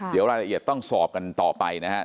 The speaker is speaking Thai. เดี๋ยวรายละเอียดต้องสอบกันต่อไปนะครับ